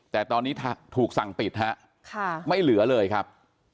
แต่ตอนนี้ถูกสั่งปิดฮะไม่เหลือเลยครับ